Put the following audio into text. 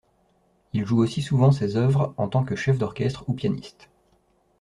Il joue aussi souvent ses œuvres en tant que chef d'orchestre ou pianiste.